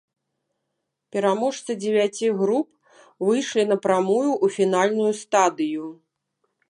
Пераможцы дзевяці груп выйшлі напрамую ў фінальную стадыю.